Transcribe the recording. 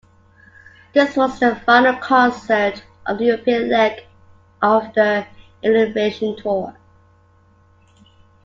This was the final concert of the European leg of the Elevation Tour.